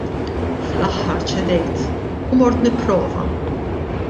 Fl-aħħar ċedejt u mort nipprova.